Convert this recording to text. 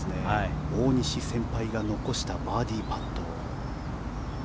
大西先輩が残したバーディーパット。